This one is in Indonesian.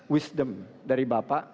wisdom dari bapak